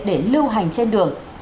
để lưu hành trên đường